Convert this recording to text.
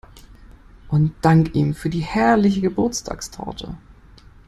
Und dank ihm für die herrliche Geburtstagstorte.